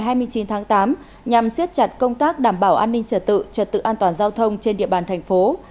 hóa trang được tiếp tục vào đêm ngày hai mươi chín tháng tám nhằm siết chặt công tác đảm bảo an ninh trở tự trở tự an toàn giao thông trên địa bàn thành phố